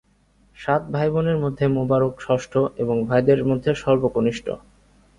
সাত ভাইবোনের মধ্যে মোবারক ষষ্ঠ এবং ভাইদের মধ্যে সর্বকনিষ্ঠ।